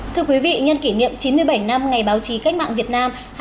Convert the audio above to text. thưa quý vị nhân kỷ niệm chín mươi bảy năm ngày báo chí cách mạng việt nam